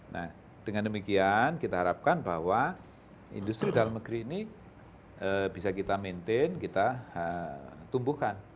nah dengan demikian kita harapkan bahwa industri dalam negeri ini bisa kita maintain kita tumbuhkan